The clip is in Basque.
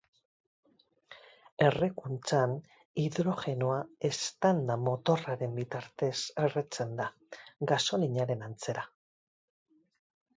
Errekuntzan hidrogenoa eztanda-motorraren bitartez erretzen da, gasolinaren antzera.